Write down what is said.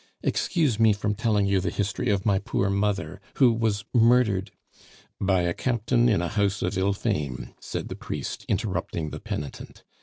Excuse me from telling you the history of my poor mother, who was murdered " "By a Captain, in a house of ill fame," said the priest, interrupting the penitent.